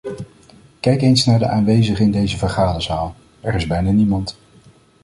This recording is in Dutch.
Kijk eens naar de aanwezigen in deze vergaderzaal - er is bijna niemand.